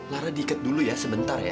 lara diikat dulu ya sebentar ya